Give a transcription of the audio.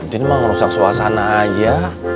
ya tin emang ngerusak suasana aja